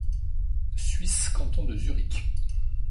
Suisse, canton de Zurich.